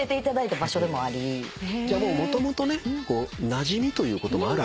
じゃあもともとねなじみということもあるんで。